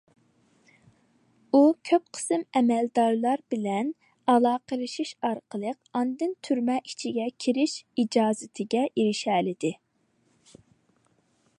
ئۇ كۆپ قىسىم ئەمەلدارلار بىلەن ئالاقىلىشىش ئارقىلىق ئاندىن تۈرمە ئىچىگە كىرىش ئىجازىتىگە ئېرىشەلىدى.